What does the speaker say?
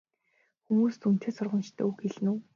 Хүмүүст үнэтэй сургамжтай үг хэлнэ үү?